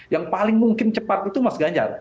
yang paling mungkin cepat itu mas ganjar